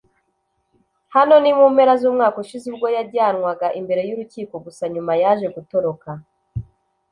Hano ni mu mpera z'umwaka ushize ubwo yajyanwaga imbere y'urukiko gusa nyuma yaje gutoroka